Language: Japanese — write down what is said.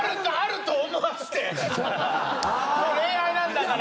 恋愛なんだから。